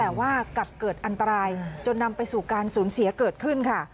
แต่ว่ากลับเกิดอันตรายจนนำไปสู่การสูญเสียเกิดขึ้นค่ะ